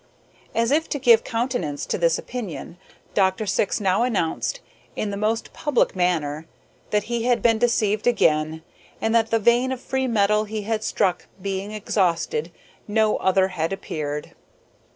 As if to give countenance to this opinion, Dr. Syx now announced, in the most public manner, that he had been deceived again, and that the vein of free metal he had struck being exhausted, no other had appeared.